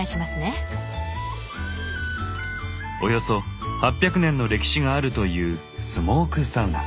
およそ８００年の歴史があるというスモークサウナ。